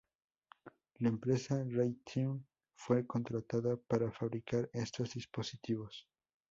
La empresa Raytheon fue contratada para fabricar estos dispositivos.